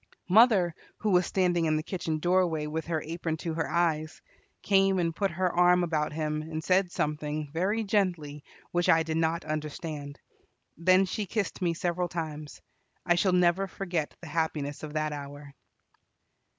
Mother, who was standing in the kitchen doorway with her apron to her eyes, came and put her arm about him, and said something, very gently, which I did not understand. Then she kissed me several times. I shall never forget the happiness of that hour.